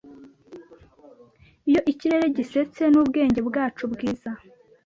Iyo ikirere gisetse nubwenge bwacu bwiza